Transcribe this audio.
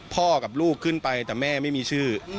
กับลูกขึ้นไปแต่แม่ไม่มีชื่อ